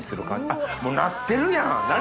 あっもうなってるやん何